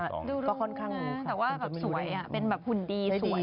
ดูรู้นะแต่ว่าแบบสวยเป็นแบบหุ่นดีสวย